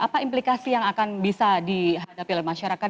apa implikasi yang akan bisa dihadapi oleh masyarakat